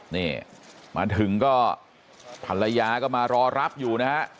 นี่มาถึงก็ภรรยาก็มารอรับอยู่นะฮะ